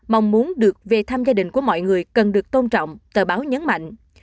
mong muốn được về thăm gia đình của mọi người cần được tôn trọng tờ báo nhấn mạnh